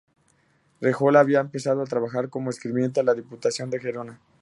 Rahola había empezado a trabajar como escribiente en la Diputación de Gerona.